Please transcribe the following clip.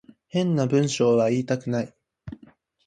変な文章は言いたくない